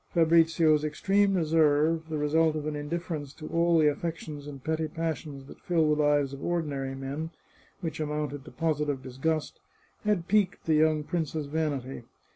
Fabrizio's extreme reserve, the result of an indifference to all the affections and petty passions that fill the lives of ordinary men, which amounted to positive disgtist, had piqued the young prince's vanity.